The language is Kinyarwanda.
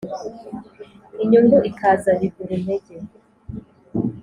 inyungu ikaza biguru ntege